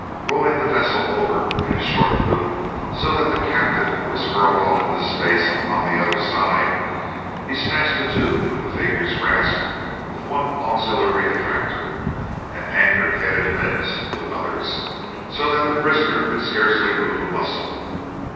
Rolling the vessel over in a short loop, so that the captive was hurled off into space upon the other side, he snatched the tube from the figure's grasp with one auxiliary attractor, and anchored head and limbs with others, so that the prisoner could scarcely move a muscle.